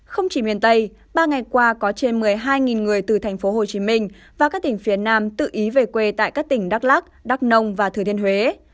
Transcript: không chỉ miền tây ba ngày qua có trên một mươi hai người từ tp hcm và các tỉnh phía nam tự ý về quê tại các tỉnh đắk lắc đắk nông và thừa thiên huế